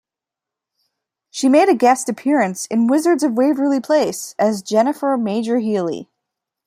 She made a guest appearance in "Wizards of Waverly Place" as Jennifer Majorheely.